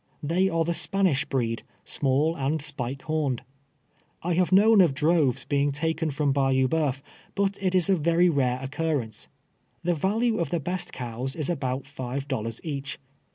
They are the Spanish breed, small and spike horned. I have known of droves being taken from Bayou Boeuf, but it is of very rare occurrence. The value of the best cows is about five dollars each.